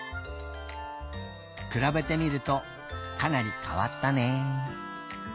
くらべてみるとかなりかわったね。